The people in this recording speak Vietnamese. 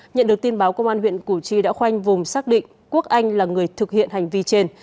nhận được tin báo công an huyện củ chi đã khoanh vùng xác định quốc anh là người thực hiện hành vi trên